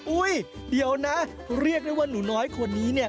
อุ๊ยเดี๋ยวนะเรียกได้ว่าหนูน้อยคนนี้เนี่ย